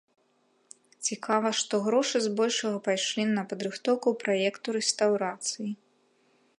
Цікава, што грошы збольшага пайшлі на падрыхтоўку праекту рэстаўрацыі.